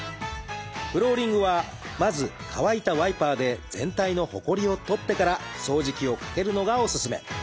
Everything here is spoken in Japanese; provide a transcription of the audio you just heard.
フローリングはまず乾いたワイパーで全体のほこりを取ってから掃除機をかけるのがおすすめ。